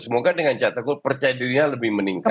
semoga dengan catagor percaya dirinya lebih meningkat